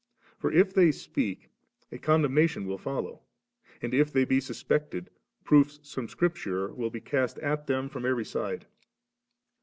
For if they speak, a condemnation will follow ; and if they be suspected, proofs from Scripture will be cast> at them from every side.